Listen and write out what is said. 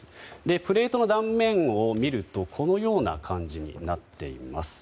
プレートの断面を見るとこのような感じになっています。